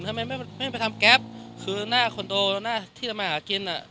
ทำไมไม่ไปทำแก๊ปคือหน้าคอนโดหน้าที่ทำมาหากินอ่ะ